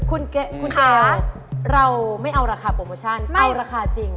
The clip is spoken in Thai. คุณเก๋เราไม่เอาราคาโปรโมชั่นเอาราคาจริง